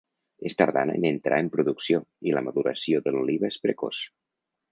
És tardana en entrar en producció i la maduració de l'oliva és precoç.